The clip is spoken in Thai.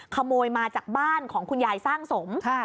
ขโมยมาจากบ้านของคุณยายสร้างสม